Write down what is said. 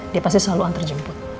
dia pasti selalu antar jemput